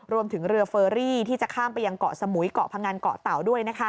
รวมถึงเรือเฟอรี่ที่จะข้ามไปยังเกาะสมุย